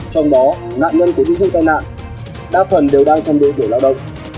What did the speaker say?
trong đó nạn nhân của những vụ tai nạn đa phần đều đang trong đội tử lao động